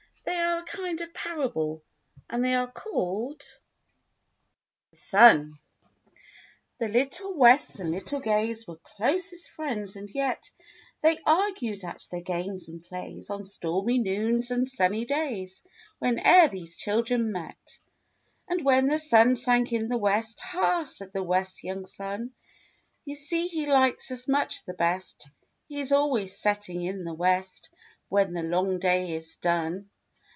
" They are a kind of parable, and they are called — THE SUN The little Wests and little Gays Were closest friends, and yet They argued at their games and plays On stormy noons and sunny days Whene'er these children met. And when the sun sank in the West, "Ha!" said the Wests' young son, "You see he likes us much the best, • He's always setting in the West When the long day is done."